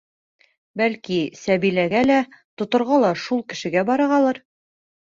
Бәлки, Сәбиләгә лә тоторға ла шул кешегә барырғалыр?